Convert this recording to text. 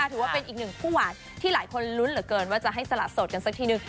ถือว่าเป็นอีกหนึ่งคู่หวานที่หลายคนลุ้นเหลือเกินว่าจะให้สละโสดกันสักทีนึง